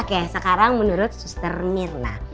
oke sekarang menurut suster mirna